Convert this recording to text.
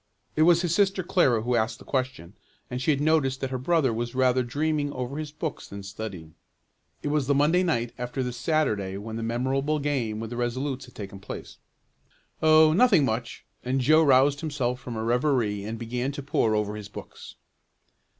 It was his sister Clara who asked the question, and she had noticed that her brother was rather dreaming over his books than studying. It was the Monday night after the Saturday when the memorable game with the Resolutes had taken place. "Oh, nothing much," and Joe roused himself from a reverie and began to pour over his books.